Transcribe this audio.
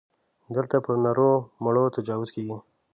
دلته پر نرو مړو تجاوز کېږي.